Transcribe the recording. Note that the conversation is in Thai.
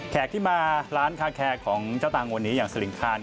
ที่มาร้านคาแคร์ของเจ้าตังค์วันนี้อย่างสลิงคาร